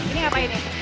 ini ngapain ya